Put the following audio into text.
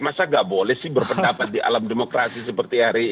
masa nggak boleh sih berpendapat di alam demokrasi seperti hari ini